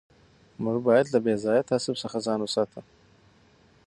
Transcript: موږ باید له بې ځایه تعصب څخه ځان وساتو.